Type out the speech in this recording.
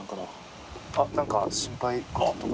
△何か心配事とか？